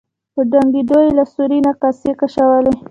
په ډونګیدو یې له سوري نه کاسې کشولې.